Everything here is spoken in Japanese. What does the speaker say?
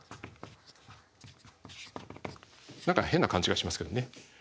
何か変な感じがしますけどね。